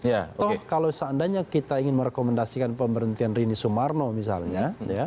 atau kalau seandainya kita ingin merekomendasikan pemberhentian rini sumarno misalnya